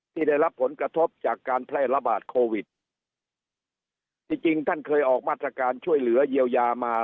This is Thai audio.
ที่ได้รับผลกระทบจากการแพร่ระบาดโควิดที่จริงท่านเคยออกมาตรการช่วยเหลือเยียวยามา